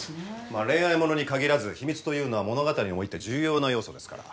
まあ恋愛物に限らず秘密というのは物語において重要な要素ですから。